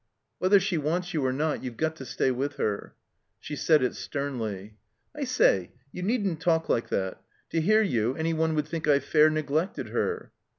"Whether she wants you or not you've got to stay with her." She said it sternly. "I say, you needn't talk Kke that. To hear you any one wotild think I fair neglected her."